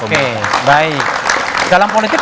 oke baik dalam politik